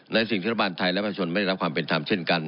ในสิ่งที่รัฐบาลไทยและประชาชนไม่ได้รับความเป็นธรรมเช่นกัน